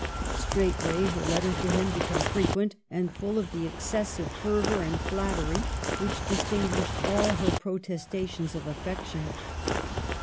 Straightway her letters to him became fre quent, and full of the excessive fervor and flattery which distinguished all her protestations of af fection.